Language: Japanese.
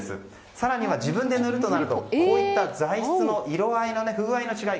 更には自分で塗るとなるとこういった材質の色合いの不具合の違い